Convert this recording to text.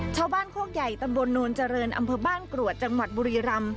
โคกใหญ่ตำบลโนนเจริญอำเภอบ้านกรวดจังหวัดบุรีรำ